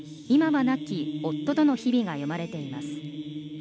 今は亡き夫との日々が詠まれています。